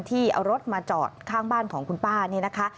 ที่เอารถมาจอดข้างบ้านของคุณป้านี่นะคะ